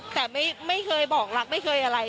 แต่ไม่เคยบอกรักไม่เคยอะไร